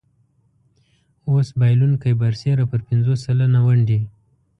اوس بایلونکی برسېره پر پنځوس سلنه ونډې.